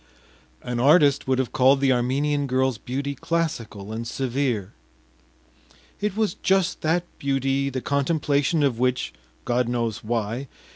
An artist would have called the Armenian girl’s beauty classical and severe, it was just that beauty, the contemplation of which God knows why!